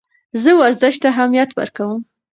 زه ورزش ته اهمیت ورکوم.